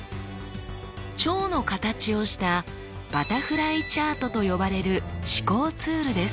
蝶の形をしたバタフライチャートと呼ばれる思考ツールです。